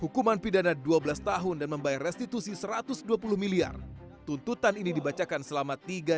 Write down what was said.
hukuman pidana dua belas tahun dan membayar restitusi satu ratus dua puluh miliar tuntutan ini dibacakan selama tiga